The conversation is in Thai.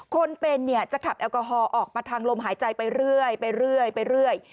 คนเป็นจะขับแอลกอฮอล์ออกมาทางลมหายใจไปเรื่อย